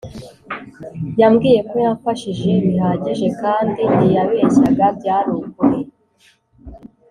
yambwiye ko yamfashije bihagije kandi ntiyabeshyaga byari ukuri